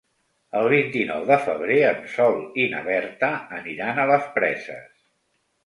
El vint-i-nou de febrer en Sol i na Berta aniran a les Preses.